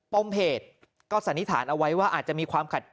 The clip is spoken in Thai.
ปมเหตุก็สันนิษฐานเอาไว้ว่าอาจจะมีความขัดแย